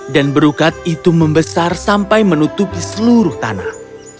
dan berukat itu membesar sampai menutupi seluruh tanah